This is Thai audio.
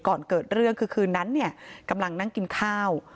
ก่อนเกิดเรื่องคือคืนนั้นเนี่ยกำลังนั่งกินข้าว